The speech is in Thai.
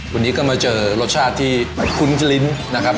วันนี้ก็มาเจอรสชาติที่คุ้นลิ้นนะครับ